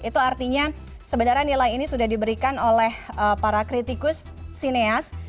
itu artinya sebenarnya nilai ini sudah diberikan oleh para kritikus sineas